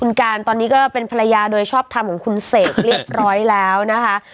คุณการตอนนี้ก็เป็นภรรยาโดยชอบทำของคุณเสกเรียบร้อยแล้วนะคะ